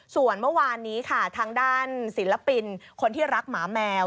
ส่วนเมื่อวานนี้ค่ะทางด้านศิลปินคนที่รักหมาแมว